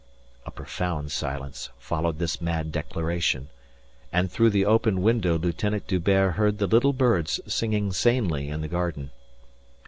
A profound silence followed this mad declaration and through the open window Lieutenant D'Hubert heard the little birds singing sanely in the garden.